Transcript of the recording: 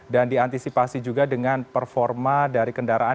dan diantisipasi juga dengan performa dari kendaraan